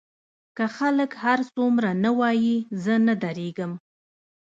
که خلک هر څومره نه ووايي زه نه درېږم.